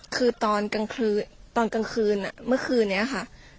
คือตอนกลางคืนตอนกลางคืนเมื่อคืนนี้ค่ะ